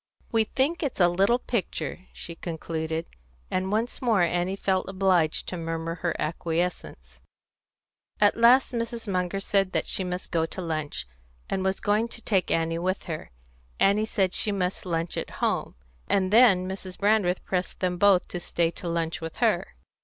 "We think it's a little picture," she concluded, and once more Annie felt obliged to murmur her acquiescence. At last Mrs. Munger said that she must go to lunch, and was going to take Annie with her; Annie said she must lunch at home; and then Mrs. Brandreth pressed them both to stay to lunch with her.